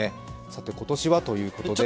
さて今年はということで。